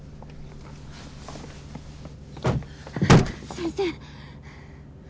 先生！